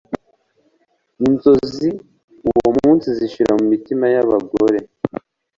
Inzozi uwo munsi zishira mumitima yabagore